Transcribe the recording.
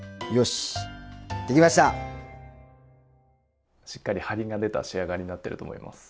しっかりハリが出た仕上がりになってると思います。